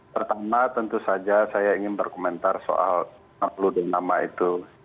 pertama tentu saja saya ingin berkomentar soal enam puluh dua nama itu